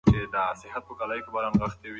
دا ژور داغونه به په ډېرې ورو ورو له منځه لاړ شي.